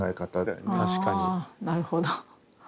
あなるほど。